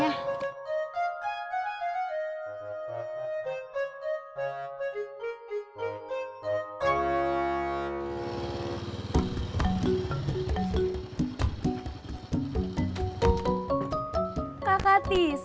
gw pengen maria